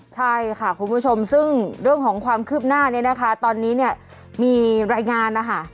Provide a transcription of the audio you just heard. ใช่ค่ะคุณผู้ชมซึ่งเรื่องของความคืบหน้าเนี่ยนะคะตอนนี้เนี่ยมีรายงานนะคะ